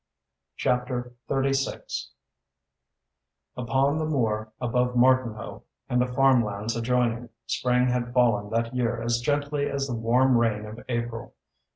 CHAPTER XXII Upon the moor above Martinhoe and the farm lands adjoining, spring had fallen that year as gently as the warm rain of April.